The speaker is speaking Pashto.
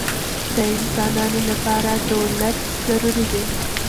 د انسانانو له پاره دولت ضروري دئ.